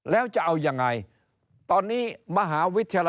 แล้วจะเอายังไงตอนนี้มหาวิทยาลัยราชมงคลตั้ง๕แห่ง